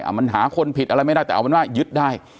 มันหาคนผิดอะไรไม่ได้แต่เอาเป็นว่ายึดได้